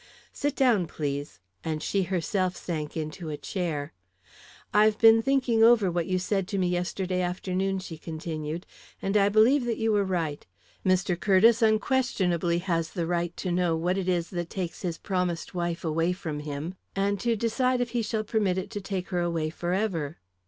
"Sit down, please," and she herself sank into a chair. "I've been thinking over what you said to me yesterday afternoon," she continued, "and I believe that you were right. Mr. Curtiss unquestionably has the right to know what it is that takes his promised wife away from him, and to decide if he shall permit it to take her away forever."